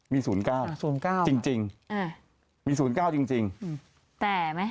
มีศูนย์เก้าศูนย์เก้าจริงจริงเอ่อมีศูนย์เก้าจริงจริงแต่ไหม